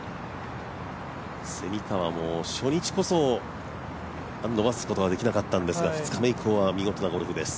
蝉川も初日こそ伸ばすことができなかったんですが２日目以降は見事なゴルフです。